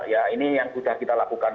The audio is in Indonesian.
ya ini yang sudah kita lakukan